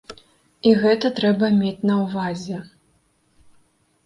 І гэта трэба мець на ўвазе.